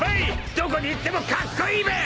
どこに行ってもカッコイイべ］